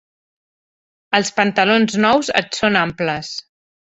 Els pantalons nous et són amples.